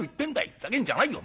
ふざけんじゃないよ。